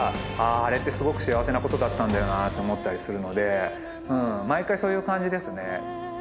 あれってすごく幸せなことだったんだよなって思ったりするので毎回そういう感じですね。